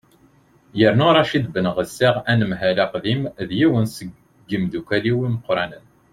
yernu racid benɣusa anemhal aqdim d yiwen seg yimeddukkal-iw imeqqranen